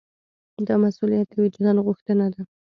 دا مسوولیت د وجدان غوښتنه ده.